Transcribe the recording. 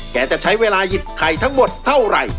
จะใช้เวลาหยิบไข่ทั้งหมดเท่าไหร่